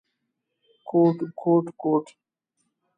کوټ کوټ کوت…